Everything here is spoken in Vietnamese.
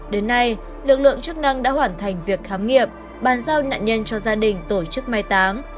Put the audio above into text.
đến nay lực lượng chức năng đã hoàn thành việc khám nghiệm bàn giao nạn nhân cho gia đình tổ chức mai táng